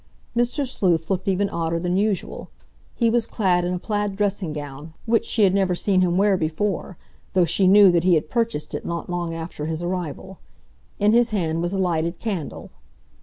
Mr. Sleuth looked even odder than usual. He was clad in a plaid dressing gown, which she had never seen him wear before, though she knew that he had purchased it not long after his arrival. In his hand was a lighted candle.